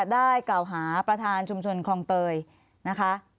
ได้กล่าวหาประธานชุมชนคลองเตยนะคะ